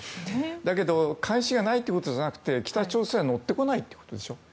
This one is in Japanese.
だけど関心がないってことじゃなくて北朝鮮は乗ってこないってことです。